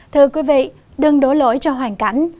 thưa quý vị đừng đổ lỗi cho hoàn cảnh